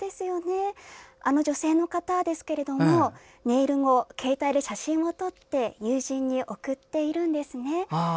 あの女性の方ですがネイル後、携帯で写真を撮り友人に送っているんですね。